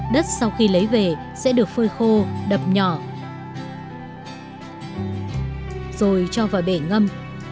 đất sau khi lấy về sẽ được phơi khô đập nhỏ rồi cho vào bể ngâm